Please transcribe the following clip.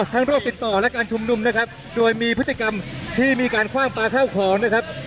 โรคติดต่อและการชุมนุมนะครับโดยมีพฤติกรรมที่มีการคว่างปลาข้าวของนะครับ